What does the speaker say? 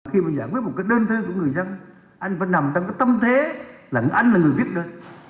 khi mà giải quyết một cái đơn thư của người dân anh phải nằm trong cái tâm thế là anh là người viết đơn